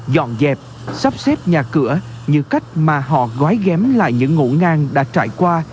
dọn dẹp sắp xếp nhà cửa như cách mà họ gói ghém lại những ngũ ngang đã trải qua